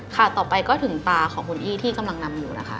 ต่อไปก็ถึงตาของคุณอี้ที่กำลังนำอยู่นะคะ